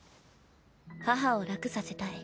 母を楽させたい。